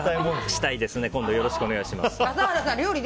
したいですね今度よろしくお願いします。